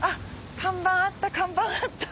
看板あった看板あった。